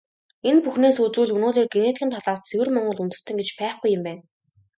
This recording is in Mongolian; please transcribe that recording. Энэ бүхнээс үзвэл, өнөөдөр генетикийн талаас ЦЭВЭР МОНГОЛ ҮНДЭСТЭН гэж байхгүй юм байна.